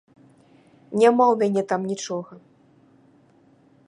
Няма ў мяне там нічога.